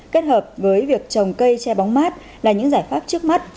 kết hợp với việc trồng cây che bóng mát là những giải pháp trước mắt